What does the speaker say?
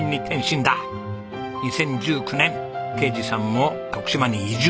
２０１９年啓二さんも徳島に移住。